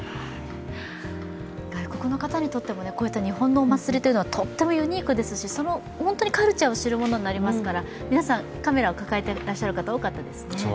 外国の方にとっても日本のお祭りというのはとってもユニークですしカルチャーを知るものになりますから皆さん、カメラを抱えてる方多かったですね。